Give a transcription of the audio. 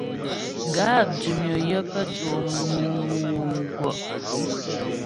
Gáp dʉmnyə yə pə́ tò mwǔmwù mgwɔ'.